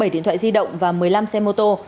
bảy điện thoại di động và một mươi năm xe mô tô